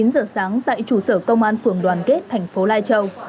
chín giờ sáng tại trụ sở công an phường đoàn kết thành phố lai châu